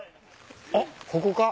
おっここか？